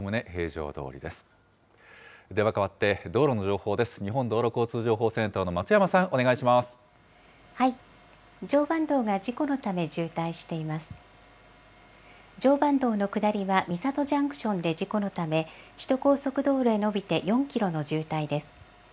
常磐道の下りは、三郷ジャンクションで事故のため、首都高速道路へ伸びて４キロの渋滞です。